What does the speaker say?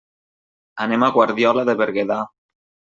Anem a Guardiola de Berguedà.